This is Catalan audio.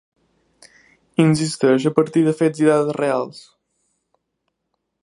Hi insisteix a partir de fets i dades reals.